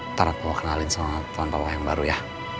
ntar aku mau kenalin sama tuan pawah yang baru ya